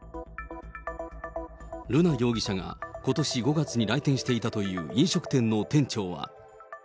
瑠奈容疑者が、ことし５月に来店していたという飲食店の店長は。